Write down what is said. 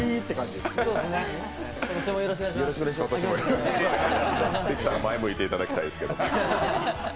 できたら前、向いていただきたいですけど。